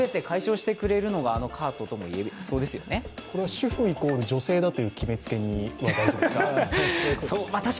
主婦イコール女性だという決めつけは大丈夫ですか？